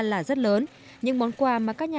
là rất lớn những món quà mà các nhà